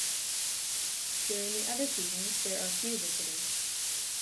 During the other seasons there are few visitors.